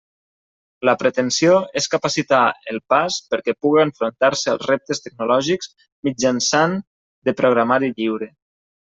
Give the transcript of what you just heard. La pretensió és capacitar el PAS perquè puga enfrontar-se als reptes tecnològics mitjançant de Programari Lliure.